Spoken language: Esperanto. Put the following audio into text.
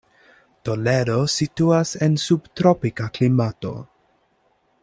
Toledo situas en subtropika klimato.